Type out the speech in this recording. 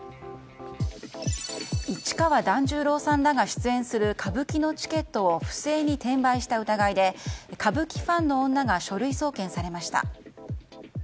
市川團十郎さんらが出演する歌舞伎のチケットを不正に転売した疑いで歌舞伎ファンの女が書類送検されました。